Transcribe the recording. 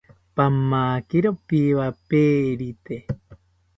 Pamakiro piwaperite